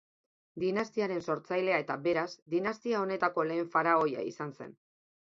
Dinastiaren sortzailea eta, beraz, dinastia honetako lehen faraoia izan zen.